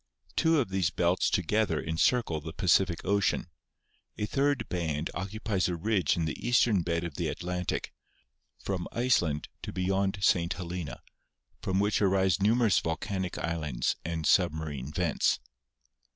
Two of these belts together encircle the Pacific Ocean. A third band occupies a ridge in the eastern bed of the Atlantic, from Iceland to beyond St. Helena, from which arise numerous volcanic islands and submarine vents.